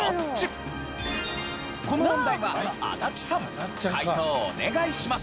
この問題は足立さん解答をお願いします。